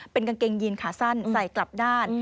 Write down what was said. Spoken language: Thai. เป็นกางเกงยีนขาสั้นใส่กลับด้าน